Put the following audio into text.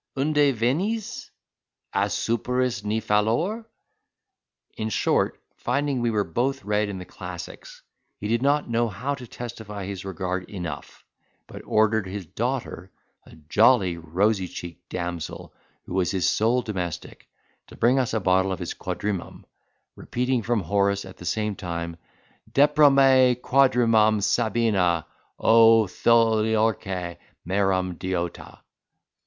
unde venis?—a superis, ni fallor?" In short, finding we were both read in the classics, he did not know how to testify his regard enough; but ordered his daughter, a jolly rosy cheeked damsel who was his sole domestic, to bring us a bottle of his quadrimum, repeating from Horace at the same time, "Deprome quadrimum sabina, O Tholiarche, merum diota."